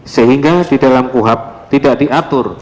sehingga di dalam kuhap tidak diatur